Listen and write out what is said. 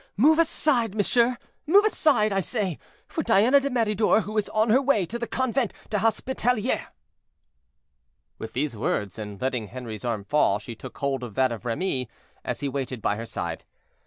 Move aside, monsieur—move aside, I say, for Diana de Meridor, who is on her way to the Convent des Hospitalieres." With these words, and letting Henri's arm fall, she took hold of that of Remy, as he waited by her side.